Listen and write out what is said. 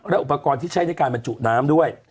อุปกรณ์ที่ใช้ในการบรรจุน้ำด้วย